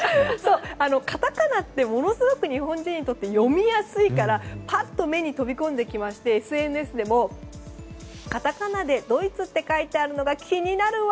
カタカナってものすごく日本人にとって読みやすいからぱっと目に飛び込んできましてＳＮＳでもカタカナで「ドイツ」って書いてあるのが気になるわ！